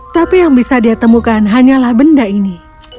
tapi yang bisa dia temukan hanyalah benda ini